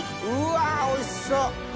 うわおいしそう。